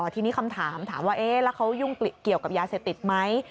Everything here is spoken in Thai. ทีนี้คำถามถามว่าเอ๊ะแล้วเขายุ่งเกี่ยวกับยาเสพติดไหม